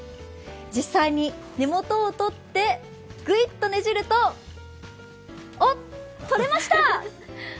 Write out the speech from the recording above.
実際に、根元を取って、ぐいっとねじるとおっ、取れました！